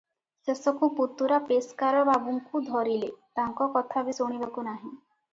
ଶେଷକୁ ପୁତୁରା ପେସ୍କାର ବାବୁଙ୍କୁ ଧରିଲେ, ତାଙ୍କ କଥା ବି ଶୁଣିବାକୁ ନାହିଁ ।